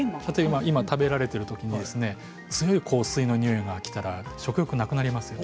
食事のときに強い香水のにおいがきたら食欲がなくなりますよね。